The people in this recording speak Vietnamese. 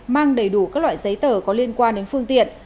mang đầy đủ các loại giấy tờ có liên quan đến phương tiện